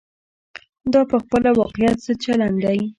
دا په خپله واقعیت ضد چلن دی.